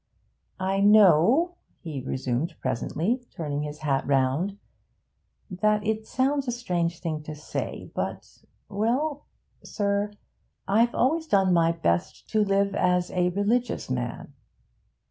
'I know,' he resumed presently, turning his hat round and round, 'that it sounds a strange thing to say, but well, sir, I've always done my best to live as a religious man.'